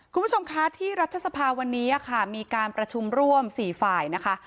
คุณผู้ชมคะที่รัฐสภาวันนี้ค่ะมีการประชุมร่วม๔ฝ่ายนะคะ